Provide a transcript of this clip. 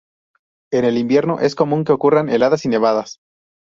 En el invierno es común que ocurran heladas y nevadas.